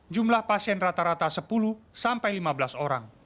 jumlah pasien rata rata sepuluh sampai lima belas orang